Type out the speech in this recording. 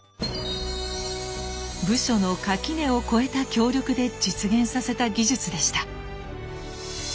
部署の垣根を超えた協力で実現させた技術でした。